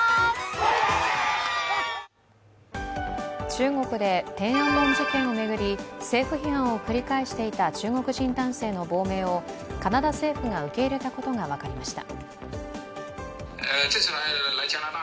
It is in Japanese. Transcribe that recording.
中国で天安門事件を巡り政府批判を繰り返していた中国人男性の亡命をカナダ政府が受け入れたことが分かりました。